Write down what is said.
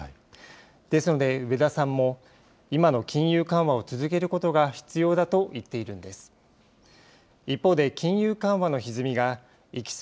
ですので、植田さんも今の金融緩和を続けることが必要だと言っているんです。